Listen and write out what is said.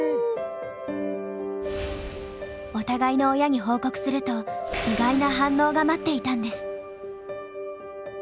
お互いの親に報告すると意外な反応が待っていたんです。